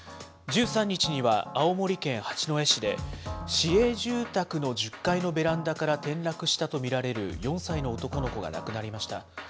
１３日には、青森県八戸市で、市営住宅の１０階のベランダから転落したと見られる４歳の男の子が亡くなりました。